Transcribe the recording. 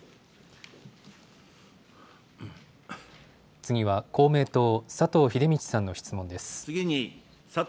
次は公明党、佐藤英道さんの質問です。